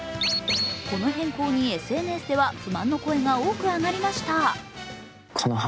この変更にＳＮＳでは不満の声が多く上がりました。